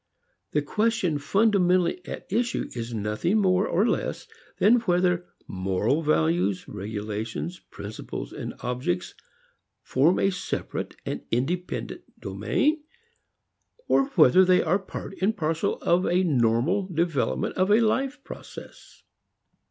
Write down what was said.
The question fundamentally at issue is nothing more or less than whether moral values, regulations, principles and objects form a separate and independent domain or whether they are part and parcel of a normal development of a life process.